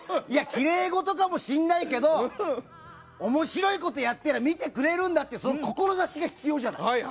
いや、きれいごとかもしんないけど、おもしろいことやったら見てくれるんだって、その志が必要じゃない。